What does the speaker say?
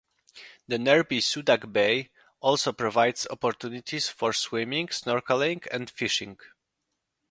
The nearby Sudak Bay also provides opportunities for swimming, snorkeling, and fishing.